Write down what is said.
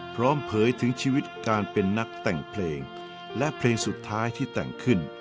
เผยถึงชีวิตการเป็นนักแต่งเพลงและเพลงสุดท้ายที่แต่งขึ้น